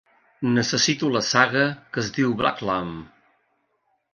Necessito la saga que es diu Black Lamp